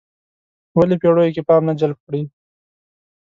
ولې پېړیو کې پام نه جلب کړی.